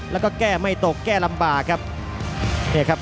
แล้วก็แก้ไม่ตกแก้ลำบากครับ